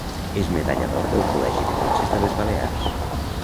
És medalla d'or del Col·legi de Metges de les Balears.